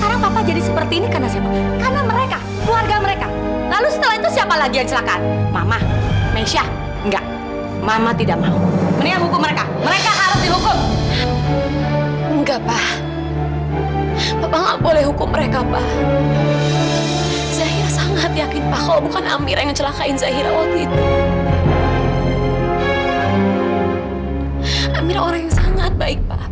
apa benar ikhsan masih hidup